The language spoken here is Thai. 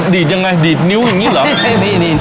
ดีดยังไงดีดนิ้วอย่างนี้เหรอ